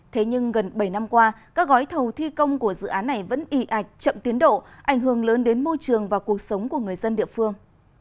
thế nhưng gần bảy năm qua các gói thầu thi công của dự án này vẫn ị ạch chậm tiến độ ảnh hưởng lớn đến môi trường và cuộc sống của người dân địa phương